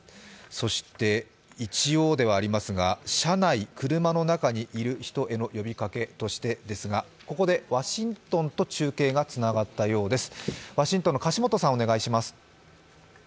そして一応ではありますが、車の中にいる人への呼びかけとしてですがここでワシントンと中継がつながったようです。